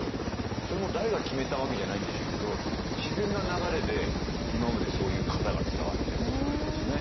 それも誰が決めたわけじゃないんでしょうけど自然な流れで今までそういう型が伝わってるっていうのはありますね。